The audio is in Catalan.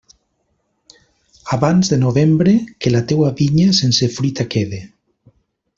Abans de novembre, que la teua vinya sense fruita quede.